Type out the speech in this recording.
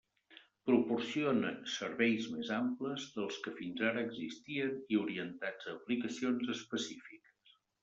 Proporciona serveis més amples dels que fins ara existien i orientats a aplicacions específiques.